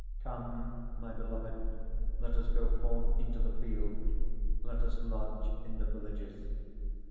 7:11 Come, my beloved, let us go forth into the field; let us lodge in the villages.